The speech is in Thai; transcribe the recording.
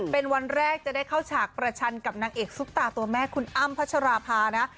เป็นวันแรกจะได้เข้าฉากประชันกับนางเอกซุปตาตัวแม่คุณอ้ำพัชราภานะ